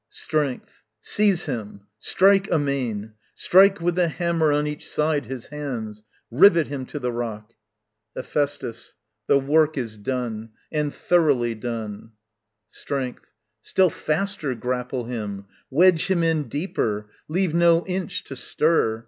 Strength. Seize him: strike amain: Strike with the hammer on each side his hands Rivet him to the rock. Hephæstus. The work is done, And thoroughly done. Strength. Still faster grapple him; Wedge him in deeper: leave no inch to stir.